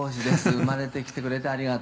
「“生まれてきてくれてありがとう”」